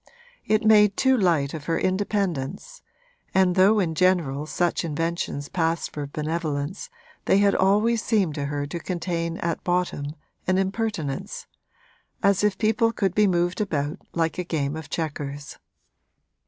It made too light of her independence, and though in general such inventions passed for benevolence they had always seemed to her to contain at bottom an impertinence as if people could be moved about like a game of chequers.